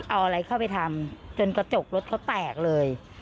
เอาอะไรเข้าไปทำจนกระจกรถเขาแตกเลย